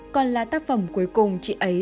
còn là tác phẩm cuối cùng chị ấy